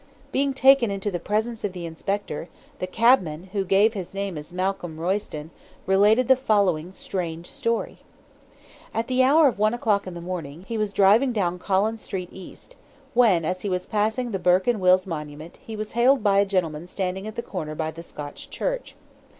Being taken into the presence of the inspector, the cabman, who gave his name as Malcolm Royston, related the following strange story: "At the hour of one o'clock in the morning, he was driving down Collins Street East, when, as he was passing the Burke and Wills' monument, he was hailed by a gentleman standing at the corner by the Scotch Church.